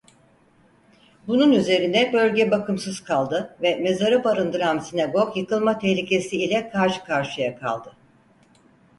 Bunun üzerine bölge bakımsız kaldı ve mezarı barındıran sinagog yıkılma tehlikesi ile karşı karşıya kaldı.